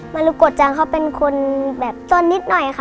มารูโก่จะเหมือนคนจนนิดหน่อยค่ะ